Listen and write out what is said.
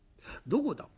「どこだ？」。